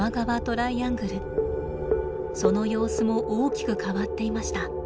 その様子も大きく変わっていました。